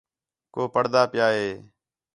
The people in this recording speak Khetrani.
کُو پڑھدا پِیا ہے